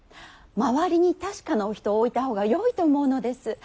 周りに確かなお人を置いた方がよいと思うのです。